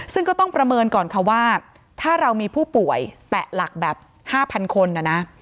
ซึ่งก็ต้องประเมินก่อนค่ะว่าถ้าเรามีผู้ป่วยแตะหลักแบบ๕๐๐คนนะนะ